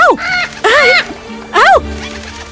aku harus mencegahnya